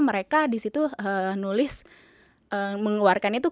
mereka disitu nulis mengeluarkannya tuh